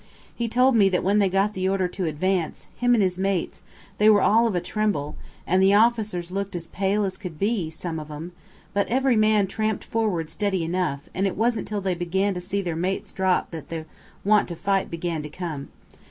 He told me that when they got the order to advance, him and his mates, they were all of a tremble, and the officers looked as pale as could be, some of 'em; but every man tramped forward steady enough, and it wasn't till they began to see their mates drop that the want to fight began to come.